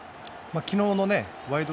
昨日の「ワイド！